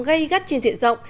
gây gắt trên diện rộng